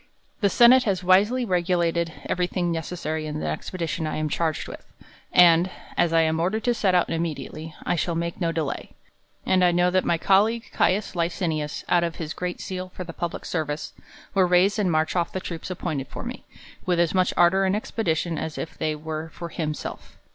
The senate has wisely regulated every thing neces sary in the expedition 1 am charged with ; and, as I am'^ordered to set out immediately, I shall make no delay ; and I know that my colleague Caius Licinius, out of his great zeal for the public service, will raise and march otf the troops appointed for me, with as much ardor and expedition, as if they were for him self.